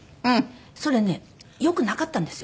それねよくなかったんですよ